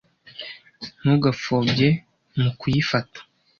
Ntugapfobye mu kuyifata,